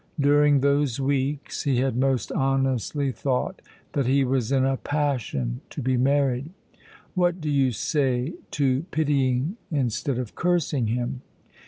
During those weeks he had most honestly thought that he was in a passion to be married. What do you say to pitying instead of cursing him?